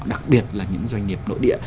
đặc biệt là những doanh nghiệp nội địa